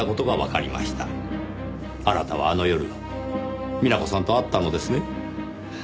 あなたはあの夜美奈子さんと会ったのですね？